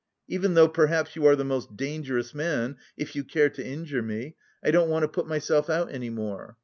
"Even though perhaps you are the most dangerous man if you care to injure me, I don't want to put myself out any more.